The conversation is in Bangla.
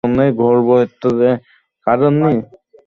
কিন্তু আমাদের প্ল্যান বি নেই, স্যার?